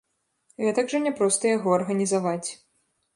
Гэтак жа не проста яго арганізаваць.